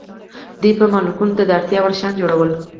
دوی به مالکانو ته د اړتیا وړ شیان جوړول.